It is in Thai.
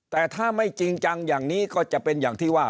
แต่ถ้าไม่จริงจังอย่างนี้ก็จะเป็นอย่างที่ว่า